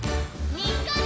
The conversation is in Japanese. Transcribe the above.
「にっこり！」